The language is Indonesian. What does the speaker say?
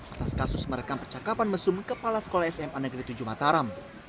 atas kasus merekam percakapan mesum kepala sekolah sma negeri tujuh mataram